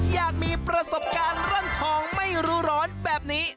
อยากมีประสบการณ์ร่อนทองไม่รู้ร้อนแบบนี้